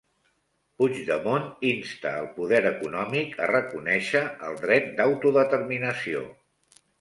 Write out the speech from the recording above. Puigdemont insta al poder econòmic a reconèixer el dret d'autodeterminació